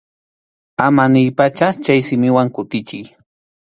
Ama niypacha chay simiwan kutichiy.